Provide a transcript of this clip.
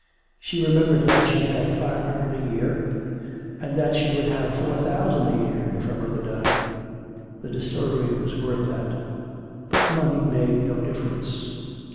She remembered that she had five hundred a year, and that she would have four thousand a year if her brother died the distillery was worth that. But money made no difference.